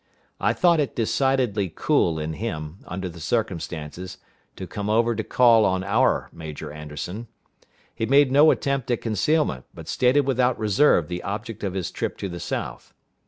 I thought it decidedly cool in him, under the circumstances, to come over to call on our Major Anderson. He made no attempt at concealment, but stated without reserve the object of his trip to the South.